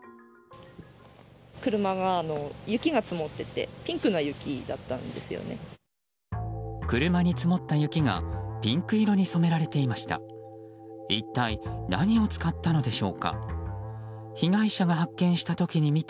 車に積もった雪がピンク色に染められていました。